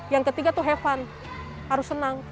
yang ketiga itu have fun harus senang